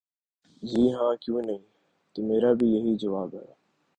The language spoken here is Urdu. ''جی ہاں، کیوں نہیں‘‘ ''تو میرا بھی یہی جواب ہے۔